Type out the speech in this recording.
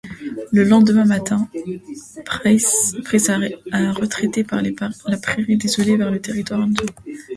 Le lendemain matin, Price a retraité par les prairies désolées vers le territoire Indien.